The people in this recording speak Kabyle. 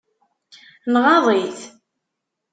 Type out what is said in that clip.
Nɣaḍ-it?